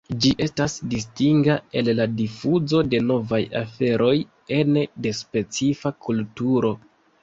Ĝi estas distinga el la difuzo de novaj aferoj ene de specifa kulturo.